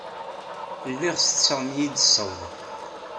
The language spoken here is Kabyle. Lliɣ tetteɣ mi yi-d-tsawleḍ.